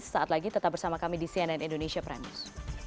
sesaat lagi tetap bersama kami di cnn indonesia prime news